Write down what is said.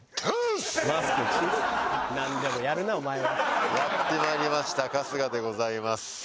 やってまいりました春日でございます。